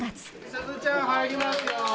スズちゃん入りますよ。